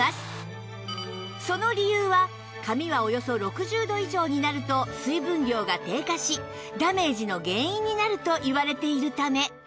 その理由は髪はおよそ６０度以上になると水分量が低下しダメージの原因になるといわれているため